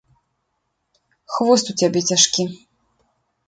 Хвост у цябе цяжкі.